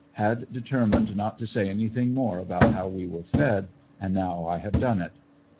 Had determined not to say anything more about how we were fed, and now I have done it.